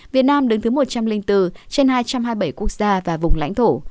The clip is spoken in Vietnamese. việt nam đứng thứ một trăm linh bốn trên hai trăm hai mươi bảy quốc gia và vùng lãnh thổ